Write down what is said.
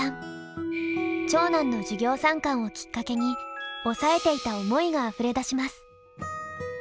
長男の授業参観をきっかけに抑えていた思いがあふれ出します。